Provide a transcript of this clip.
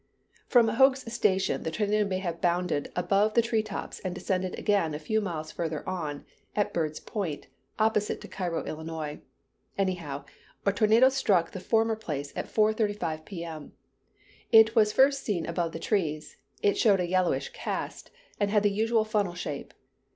From Hough's Station the tornado may have bounded above the tree tops and descended again a few miles further on at Bird's Point, opposite to Cairo, Illinois. Anyhow, a tornado struck the former place at 4:35 P.M. It was first seen above the trees, it showed a yellowish cast, and had the usual funnel shape.